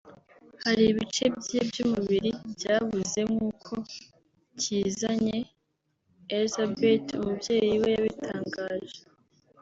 hari ibice bye by`umubiri byabuze; nk`uko Cyizanye Elisabeth umubyeyi we yabitangaje